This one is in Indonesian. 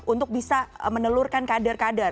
untuk bisa menelurkan kader kader